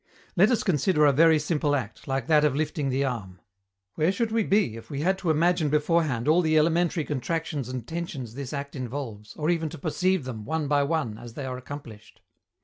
Let us consider a very simple act, like that of lifting the arm. Where should we be if we had to imagine beforehand all the elementary contractions and tensions this act involves, or even to perceive them, one by one, as they are accomplished?